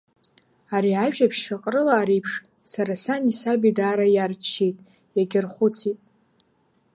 Ари ажәабжь Шьаҟрылаа реиԥш, сара сани саби даара иарччеит, иагьархәыцит.